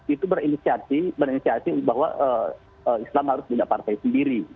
itu berinisiasi bahwa islam harus punya partai sendiri